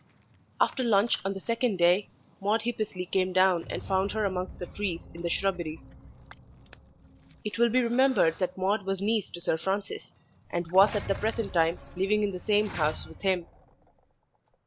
After lunch on the second day Maude Hippesley came down and found her amongst the trees in the shrubbery. It will be remembered that Maude was niece to Sir Francis, and was at the present time living in the same house with him.